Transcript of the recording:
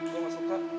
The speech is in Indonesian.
gue gak suka